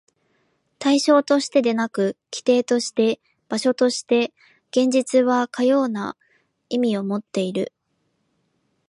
対象としてでなく、基底として、場所として、現実はかような意味をもっている。